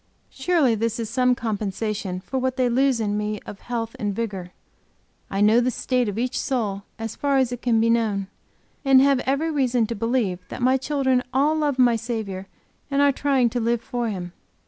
Surely this is some compensation for what they lose in me of health and vigor. I know the state of each soul as far as it can be known, and have every reason to believe that my children all love my Saviour and are trying to live for Him.